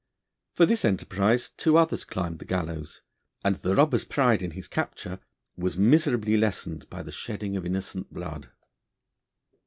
For this enterprise two others climbed the gallows, and the robber's pride in his capture was miserably lessened by the shedding of innocent blood.